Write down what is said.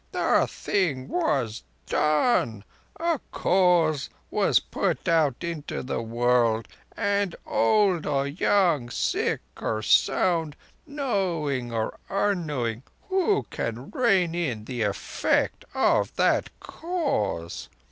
"The thing was done. A Cause was put out into the world, and, old or young, sick or sound, knowing or unknowing, who can rein in the effect of that Cause?